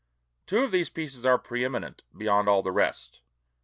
Two of these pieces are pre eminent beyond all the rest.